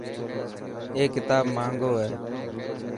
اي ڪتاب ماهنگو هي.